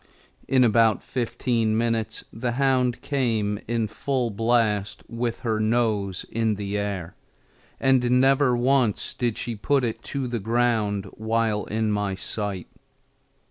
In about fifteen minutes the hound came in full blast with her nose in the air, and never once did she put it to the ground while in my sight.